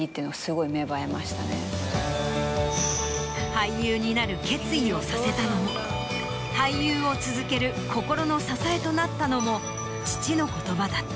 俳優になる決意をさせたのも俳優を続ける心の支えとなったのも。